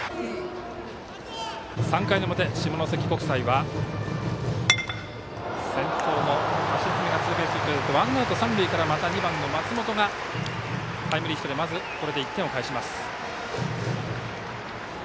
３回の表、下関国際は先頭の橋爪ツーベースヒットを打ってワンアウト、三塁から２番の松本がタイムリーヒットでまず、これで１点を返します。